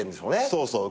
そうそう。